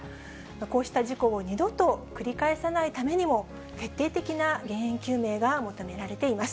こうした事故を二度と繰り返さないためにも、徹底的な原因究明が求められています。